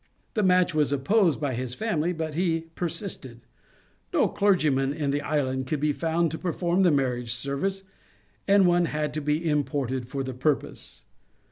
The match was opposed by his family, but he persisted. No clergyman in the island could be found to perform the marriage service, and one had to be imported for the purpose.